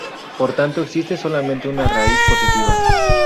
Por tanto existe solamente una raíz positiva.